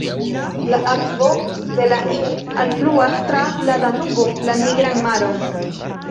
La akvo de la Inn alfluas tra la Danubo la Nigran Maron.